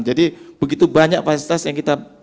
jadi begitu banyak pak ustaz yang kita